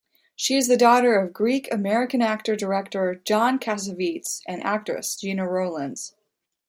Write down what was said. She is the daughter of Greek-American actor-director John Cassavetes and actress Gena Rowlands.